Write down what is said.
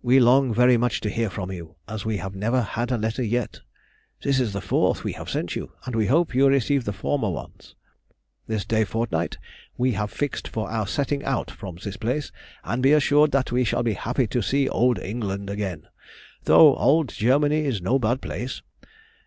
We long very much to hear from you, as we have never had a letter yet. This is the fourth we have sent you, and we hope you received the former ones. This day fortnight we have fixed for our setting out from this place, and be assured that we shall be happy to see old England again, though old Germany is no bad place.